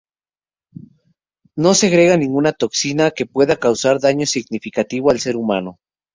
No segrega ninguna toxina que pueda causar daño significativo al ser humano.